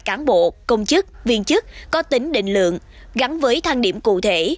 đánh giá phân loại cán bộ công chức viên chức có tính định lượng gắn với thang điểm cụ thể